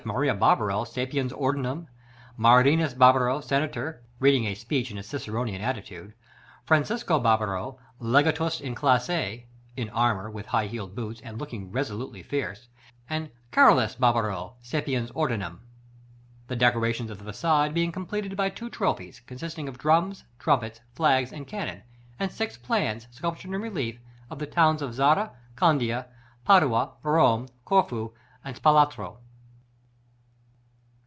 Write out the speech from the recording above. Maria Barbaro, sapiens ordinum; Marinus Barbaro, Senator (reading a speech in a Ciceronian attitude); Franc. Barbaro, legatus in classe (in armor, with high heeled boots, and looking resolutely fierce); and Carolus Barbaro, sapiens ordinum: the decorations of the façade being completed by two trophies, consisting of drums, trumpets, flags and cannon; and six plans, sculptured in relief, of the towns of Zara, Candia, Padua, Rome, Corfu, and Spalatro.